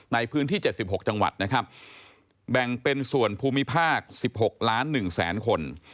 ในพื้นที่๗๖จังหวัดนะครับแบ่งเป็นส่วนภูมิภาค๑๖ล้าน๑แสนคน